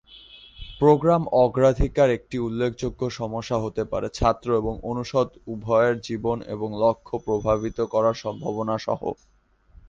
Programme অগ্রাধিকার একটি উল্লেখযোগ্য সমস্যা হতে পারে, ছাত্র এবং অনুষদ উভয়ের জীবন এবং লক্ষ্য প্রভাবিত করার সম্ভাবনা সহ।